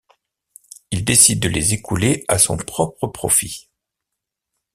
Il décide de les écouler à son propre profit.